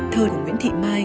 thơ của nguyễn thị mai